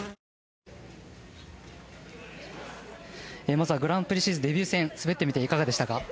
まずはグランプリシリーズデビュー戦滑ってみていかがでしたか？